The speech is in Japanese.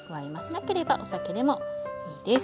なければお酒でもいいです。